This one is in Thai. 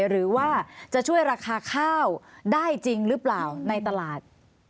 หรือว่าจะช่วยราคาข้าวได้จริงหรือเปล่าในตลาด